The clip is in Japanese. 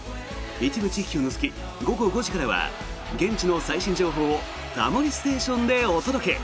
一部地域を除き、午後５時からは現地の最新情報を「タモリステーション」でお届け。